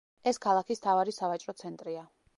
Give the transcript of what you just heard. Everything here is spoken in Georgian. ეს ქალაქის მთავარი სავაჭრო ცენტრია.